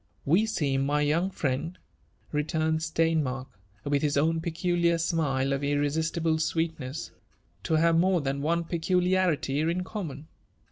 ''We seem, my young friend," returned Steini^ark, with bis own peculiar smile of irresistible sweetness, '' to have more than one p^o liarity in common.